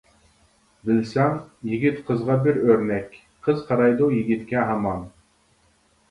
بىلسەڭ، يىگىت قىزغا بىر ئۆرنەك، قىز قارايدۇ يىگىتكە ھامان.